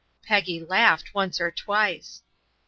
Peggy laughed once or twice.